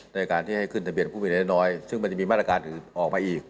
ในการที่ให้ขึ้นทะเบียนผู้มีน้อยซึ่งมันจะมีมาตรการอื่นออกมาอีก